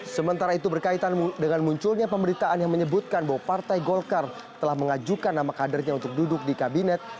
sementara itu berkaitan dengan munculnya pemberitaan yang menyebutkan bahwa partai golkar telah mengajukan nama kadernya untuk duduk di kabinet